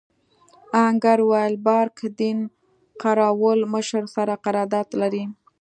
آهنګر وویل بارک دین قراوول مشر سره قرارداد لري.